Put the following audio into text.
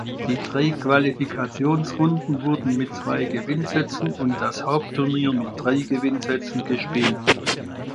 Die drei Qualifikationsrunden wurden mit zwei Gewinnsätzen und das Hauptturnier mit drei Gewinnsätzen gespielt.